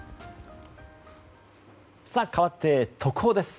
かわって、特報です。